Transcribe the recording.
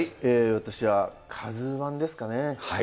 私は、ＫＡＺＵＩですかね。